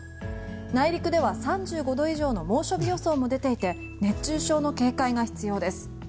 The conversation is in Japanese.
内陸では３５度以上の猛暑日予想も出ていて熱中症の警戒が必要です。